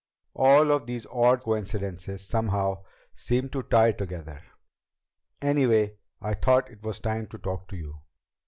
All of these odd coincidences, somehow, seem to tie together. Anyway, I thought it was time to talk to you."